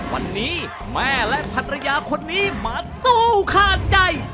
วันนี้แม่และพันธุ์ระยะคนนี้มาสู้ข้าวใจ